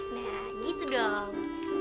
nah gitu dong